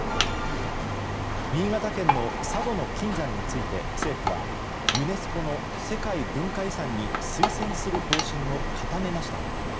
新潟県の佐渡島の金山について政府はユネスコの世界文化遺産に推薦する方針を固めました。